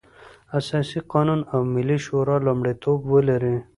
اساسي قانون او ملي شورا لومړيتوب ولري.